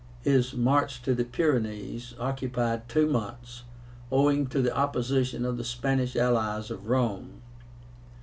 His march to the Pyrenees occupied two months, owing to the opposition of the Spanish allies of Rome.